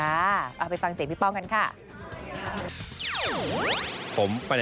เอาไปฟังเสียงพี่ป้องกันค่ะ